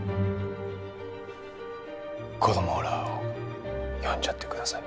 子供らを呼んじゃってください。